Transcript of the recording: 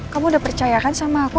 kamu udah percaya kan sama aku